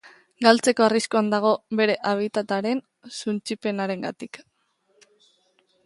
Galtzeko arriskuan dago bere habitat-aren suntsipenarengatik.